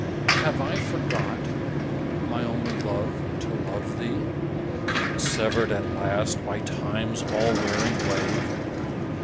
Have I forgot, my only love, to love thee, Severed at last by Time's all wearing wave?